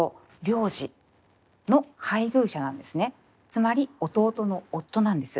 つまり弟の夫なんです。